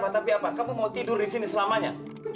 tapi apa kamu mau tidur di sini selamanya